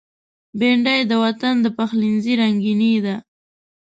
بېنډۍ د وطن د پخلنځي رنگیني ده